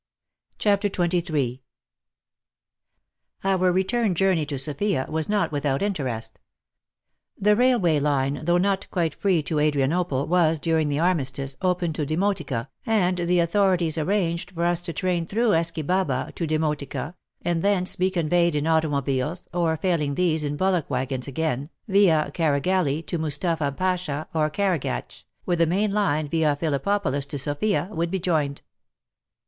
CHAPTER XXIII Our return journey to Sofia was not without new interest. The railway line, though not quite free to Adrianople, was, during he armistice, open to Demotika, and the authorities arranged for us to train through Eskibaba to Demotika, and thence be conveyed in auto mobiles, or failing these in bullock waggons again, via Karagali to Mustapha Pasha or Karagatch, where the main line via Phillippo polis to Sofia would be joined.